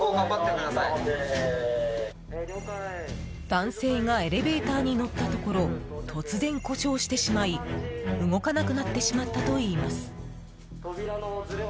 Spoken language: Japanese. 男性がエレベーターに乗ったところ突然、故障してしまい動かなくなってしまったといいます。